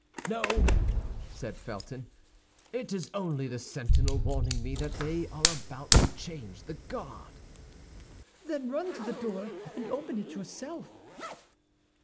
"No," said Felton; it is only the sentinel warning me that they are about to change the guard." "Then run to the door, and open it yourself."